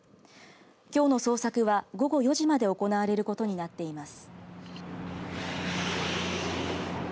きょうの捜索は、午後４時まで行われることになっています。